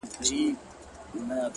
• دا له کومو جنتونو یې راغلی ,